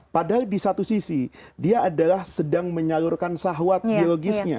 padahal di satu sisi dia adalah sedang menyalurkan sahwat biologisnya